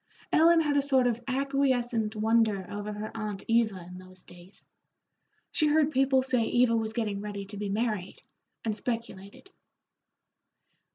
Ellen had a sort of acquiescent wonder over her aunt Eva in those days. She heard people say Eva was getting ready to be married, and speculated.